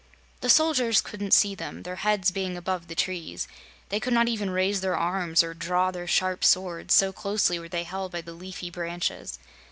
The soldiers couldn't see them, their heads being above the trees; they could not even raise their arms or draw their sharp swords, so closely were they held by the leafy branches.